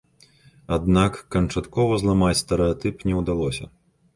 Аднак канчаткова зламаць стэрэатып не ўдалося.